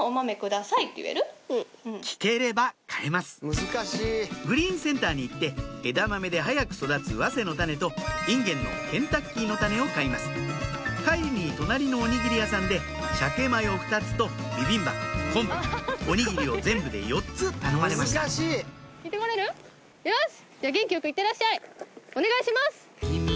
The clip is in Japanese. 聞ければ買えますグリーンセンターに行って枝豆で早く育つわせの種とインゲンのケンタッキーの種を買います帰りに隣のおにぎり屋さんでシャケマヨ２つとビビンバコンブおにぎりを全部で４つ頼まれましたよし！